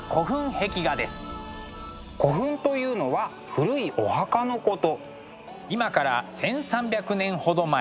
古墳というのは古いお墓のこと。